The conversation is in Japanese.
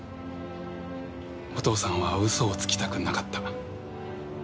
お父さんは嘘をつきたくなかった。